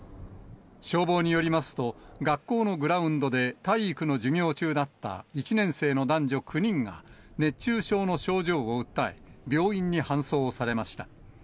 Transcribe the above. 消防によりますと、学校のグラウンドで体育の授業中だった１年生の男女９人が、熱中症の症状を訴え、病院に搬送されました。